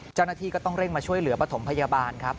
เจ้าหน้าที่ก็ต้องเร่งมาช่วยเหลือปฐมพยาบาลครับ